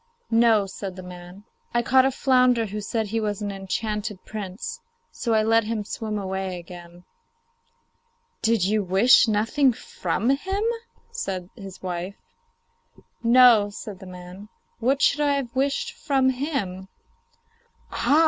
'No,' said the man. 'I caught a flounder who said he was an enchanted prince, so I let him swim away again.' 'Did you wish nothing from him?' said his wife. 'No,' said the man; 'what should I have wished from him?' 'Ah!